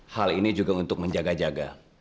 hal ini juga untuk menjaga jaga